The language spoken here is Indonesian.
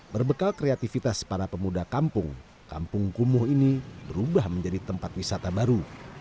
berbekal kreativitas para pemuda kampung kampung kumuh ini berubah menjadi tempat wisata baru